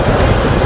itu udah gila